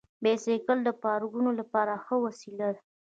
بایسکل د پارکونو لپاره ښه وسیله ده.